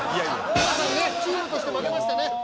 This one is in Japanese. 皆さんねチームとして負けましたね。